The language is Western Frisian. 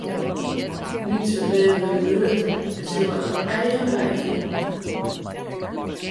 Lytse bern wurde grut en sille har eigen wei fine moatte.